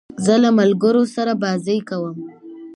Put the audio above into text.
زه له ملګرو سره بازۍ کوم.